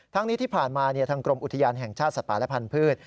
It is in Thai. ทั้งนี้ที่ผ่านมาทางกรมอุทยานแห่งชาติสัตว์ป่าและพันธุ์